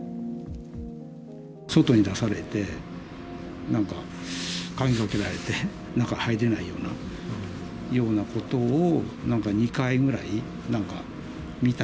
外に出されて、なんか鍵かけられて、中入れないようなことを、なんか２回ぐらい、なんか見た。